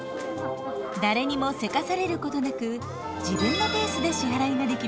誰にもせかされることなく自分のペースで支払いができます。